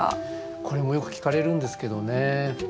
これもよく聞かれるんですけどね